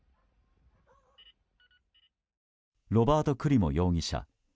ロバート・クリモ容疑者